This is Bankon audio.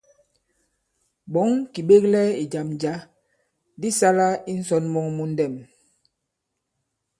Ɓɔ̌ŋ kì ɓeklɛ ì jàm jǎ di sālā i ǹsɔ̀n mɔŋ mu ndɛ̄m.